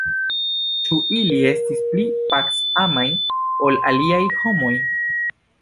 Ĉu ili estis pli pac-amaj ol aliaj homoj?